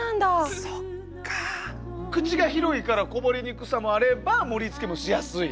口が広いからこぼれにくさもあれば盛りつけもしやすい。